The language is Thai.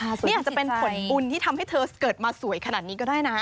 นี่อาจจะเป็นผลบุญที่ทำให้เธอเกิดมาสวยขนาดนี้ก็ได้นะ